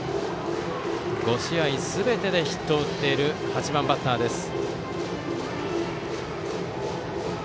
５試合すべてでヒットを打っている８番バッターです。